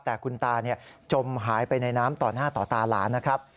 แต่คุณตาจมหายไปในน้ำต่อหน้าต่อตาหลานนะครับ